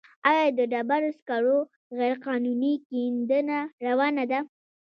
آیا د ډبرو سکرو غیرقانوني کیندنه روانه ده؟